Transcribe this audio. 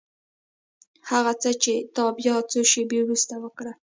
هغه څه چې تا بيا څو شېبې وروسته وکړل.